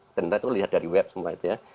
ternyata itu lihat dari web semua itu ya